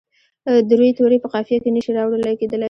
د روي توري یې په قافیه کې نه شي راوړل کیدلای.